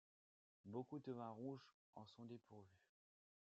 Beaucoup de vins rouges en sont dépourvus.